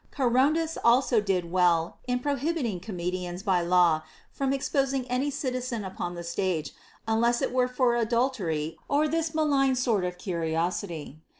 Charondas also did well in prohibiting comedians by law from exposing any citizen upon the stage, unless it were for adultery or this malignant sort of curi osity.